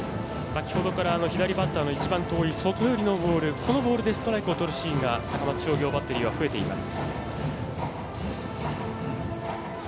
先ほどから左バッターから一番遠い外寄りのボール、このボールでストライクをとるシーンが高松商業バッテリーは増えています。